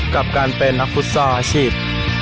กับการเป็นนักฟุตรศาสตร์อาชีพ